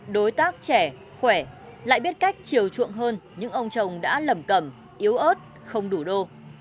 đối tác trẻ khỏe lại biết cách chiều chuộng hơn những ông chồng đã lầm cầm yếu ớt không đủ đô